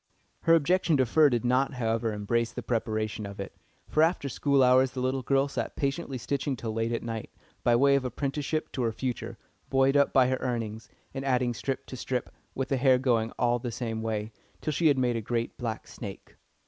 Her objection to fur did not, however, embrace the preparation of it, for after school hours the little girl sat patiently stitching till late at night, by way of apprenticeship to her future, buoyed up by her earnings, and adding strip to strip, with the hair going all the same way, till she had made a great black snake.